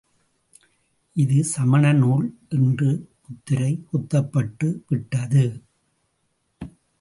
இது சமண நூல் என்று முத்திரை குத்தப்பட்டு விட்டது.